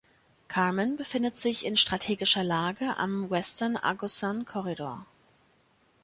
Carmen befindet sich in strategischer Lage am Western-Agusan-Korridor.